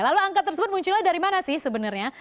lalu angka tersebut munculnya dari mana sih sebenarnya